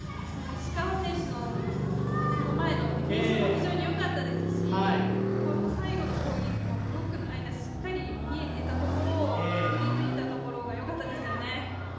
石川選手のその前のディフェンスも非常に良かったですし最後の攻撃もブロックの間しっかり見えていたところを振り抜いたところがよかったですよね。